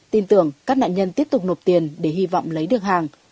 tin tưởng các nạn nhân tiếp tục nộp tiền để hy vọng lấy được hàng